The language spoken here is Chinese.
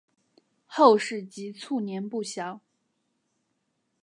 后事及卒年不详。